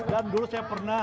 dan dulu saya percaya bahwa